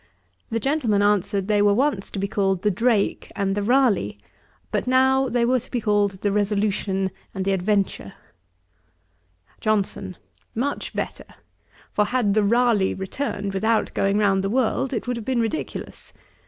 The gentleman answered, they were once to be called the Drake and the Ralegh, but now they were to be called the Resolution and the Adventure. JOHNSON. 'Much better; for had the Ralegh returned without going round the world, it would have been ridiculous.